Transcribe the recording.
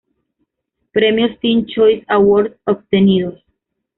Premios Teen Choice Awards obtenidos.